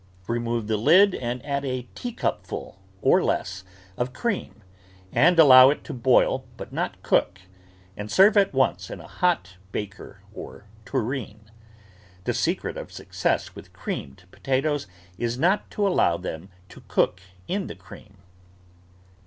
Remove the lid and add a teacupful, or less, of cream and allow it to boil up but not cook, and THE VEGETABLE GARDEN serve at once in a hot baker or tureen. The secret of success with creamed potatoes is not to allow them to cook in the cream.